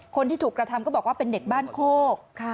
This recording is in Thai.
คนที่ถูกกระทำก็บอกว่าเป็นเด็กบ้านโคก